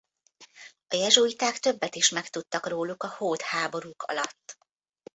A jezsuiták többet is megtudtak róluk a hód háborúk alatt.